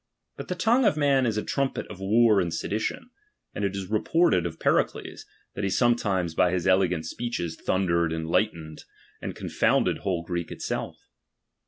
But the tongue of man is a trumpet of war and sedition : and it is reported of Pericles, that he sometimes by his elegant speeches thundered and lightened, and confounded whole Greece itself.